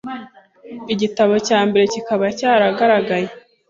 igitabo cya mbere kikaba cyaragaragaye